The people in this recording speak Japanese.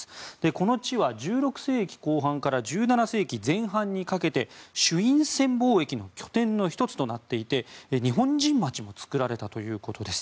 この地は１６世紀後半から１７世紀前半にかけて朱印船貿易の拠点の１つとなっていて日本人街も作られたということです。